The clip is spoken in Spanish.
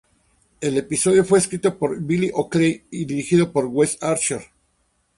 El episodio fue escrito por Bill Oakley y dirigido por Wes Archer.